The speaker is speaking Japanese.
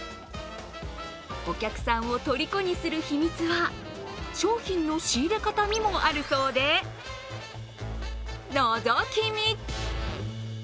お客さんをとりこにする秘密は、商品の仕入れ方にもあるそうで、のぞき見。